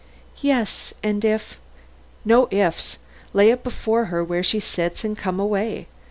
"Yes; and if " "No ifs. Lay it before her where she sits and come away.